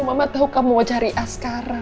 mama tahu kamu mau cari askara